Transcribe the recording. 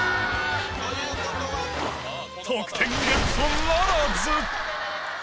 得点ゲットならず。